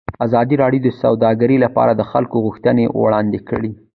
ازادي راډیو د سوداګري لپاره د خلکو غوښتنې وړاندې کړي.